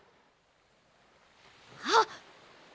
あっ！